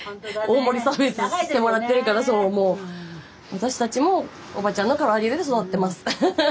私たちもおばちゃんのから揚げで育ってます。